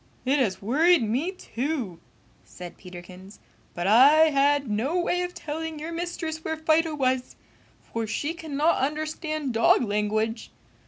"It has worried me, too!" said Peterkins, "but I had no way of telling your mistress where Fido was, for she cannot understand dog language!